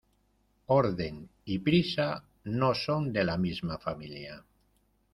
Orden y prisa no son de la misma familia.